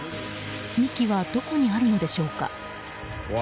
幹はどこにあるのでしょうか。